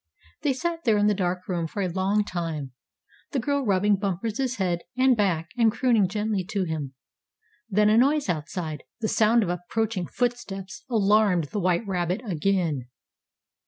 They sat there in the dark room for a long time, the girl rubbing Bumper's head and back and crooning gently to him. Then a noise outside the sound of approaching footsteps alarmed the white rabbit again.